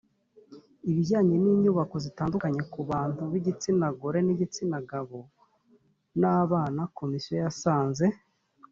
ibijyanye n inyubako zitandukanye ku bantu b igitsina gore igitsina gabo n abana komisiyo yasanze